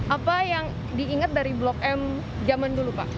apa yang diingat dari blok m zaman dulu pak